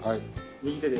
右手で。